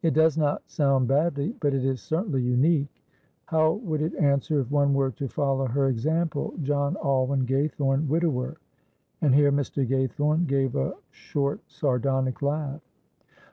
"It does not sound badly, but it is certainly unique. How would it answer if one were to follow her example. John Alwyn Gaythorne, widower," and here Mr. Gaythorne gave a short sardonic laugh.